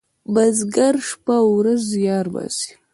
بزگر شپه او ورځ زیار باسي.